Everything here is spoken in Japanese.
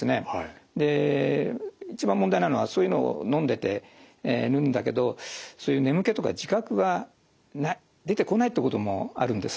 で一番問題なのはそういうのをのんでるんだけどそういう眠気とか自覚が出てこないってこともあるんです。